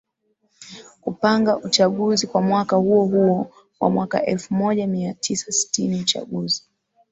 kupanga uchaguzi kwa mwaka huohuo wa mwaka elfu moja mia tisa sitini Uchaguzi